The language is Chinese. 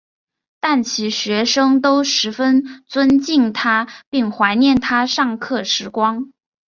但其学生都十分尊敬他并怀念他上课时光。